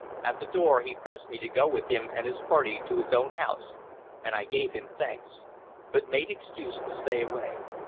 At the door he pressed me to go with him and his party to his own house, and I gave him thanks, but made excuse to stay away.